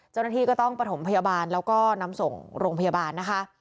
เจ้าหน้าที่ก็ต้องประถมพยาบาลแล้วก็นำส่งโรงพยาบาลนะคะ